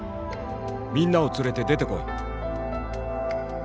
「みんなを連れて出てこい」。